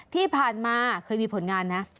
ที่ผ่านมาเคยมีผลงานนะ